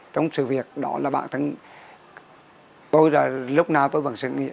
trong sự việc đó là bản thân tôi là lúc nào tôi vẫn nghĩ